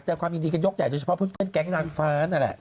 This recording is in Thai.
แต่ความยินดีกันยกใหญ่โดยเฉพาะเพื่อนแก๊งนางฟ้านั่นแหละ